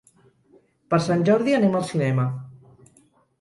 Per Sant Jordi anem al cinema.